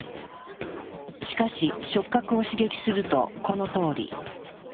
しかし触覚を刺激するとこのとおり。